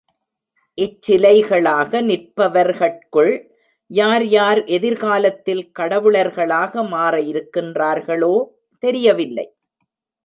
இச்சிலைகளாக நிற்பவர்கட்குள் யார் யார் எதிர் காலத்தில் கடவுளர்களாக மாற இருக் கின்றார்களோ தெரியவில்லை.